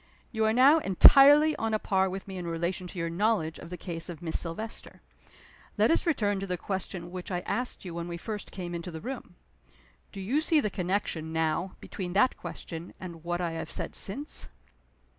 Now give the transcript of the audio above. You are now entirely on a par with me in relation to your knowledge of the case of Miss Silvester. Let us return to the question which I asked you when we first came into the room. Do you see the connection, now, between that question, and what I have said since?"